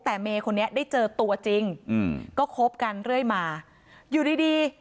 แต่เมย์คนนี้ได้เจอตัวจริงอืมก็คบกันเรื่อยมาอยู่ดีดี